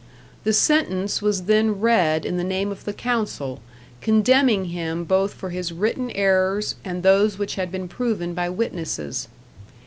The sentence was then read in the name of the council, condemning him both for his written errors and those which had been proven by witnesses.